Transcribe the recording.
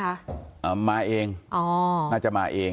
แล้วอันนี้ก็เปิดแล้ว